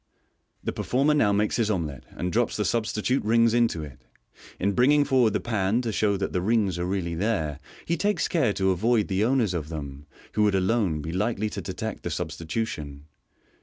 The performer now makes his omelet, and drops the substitute rings into it. In bringing forward the pan to show that the rings are really there, he takes care to avoid the owners of them, who would alone be likely to detect the substitution.